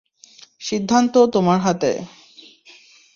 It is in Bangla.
সিদ্ধান্ত তোমার হাতে।